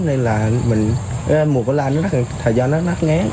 nên là mùa cỏ la nó rất là thật do nó nát ngán